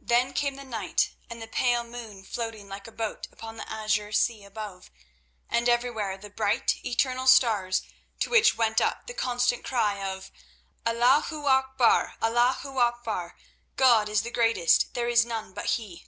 Then came the night and the pale moon floating like a boat upon the azure sea above, and everywhere the bright, eternal stars, to which went up the constant cry of "Allahu Akbar! Allahu Akbar! God is the greatest, there is none but He."